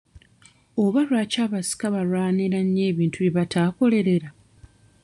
Oba lwaki abasika balwanira nnyo ebintu bye bataakolerera?